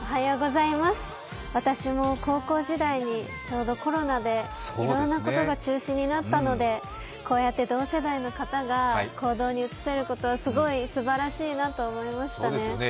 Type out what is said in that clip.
私も高校時代にちょうどコロナでいろんなことが中止になったのでこうやって同世代の人が行動に移せることをすごいすばらしいなと思いましたね。